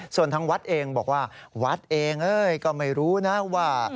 ส่วนทางวัดเองบอกว่าวัดเองก็ไม่รู้นะว่า